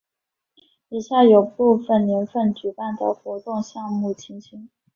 以下有部分年份举办的活动项目情形。